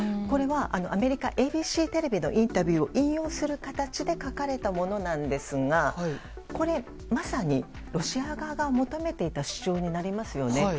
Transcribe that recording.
これは、アメリカＡＢＣテレビのインタビューを引用する形で書かれたものなんですがこれ、まさにロシア側が求めていた主張になりますよね。